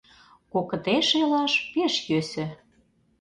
Кокыте шелаш пеш йӧсӧ